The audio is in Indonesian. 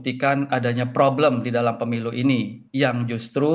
dan kita bisa lihat bahwa pdip adalah salah satu pilihan yang terbaik